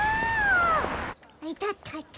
いたたたた。